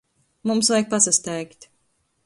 Mums vajag pasasteigt.